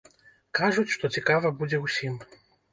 Кажуць, што цікава будзе ўсім.